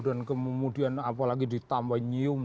dan kemudian apalagi ditambah nyium